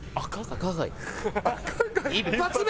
赤貝。